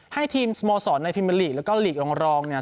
ให้ทีมสมสอร์ตในพิเมลิแล้วก็หลีกรองเนี่ย